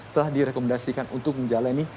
telah direkomendasikan untuk menjalani